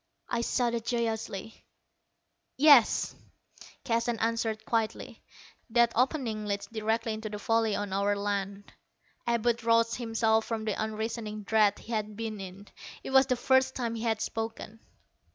I shouted joyously. "Yes," Keston answered quietly. "That opening leads directly into the valley on our land." Abud roused himself from the unreasoning dread he had been in. It was the first time he had spoken.